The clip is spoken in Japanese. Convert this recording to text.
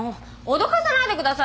脅かさないでくださいよ！